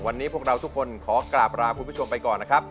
วันนี้พวกเราทุกคนขอกราบลาคุณผู้ชมไปก่อนนะครับ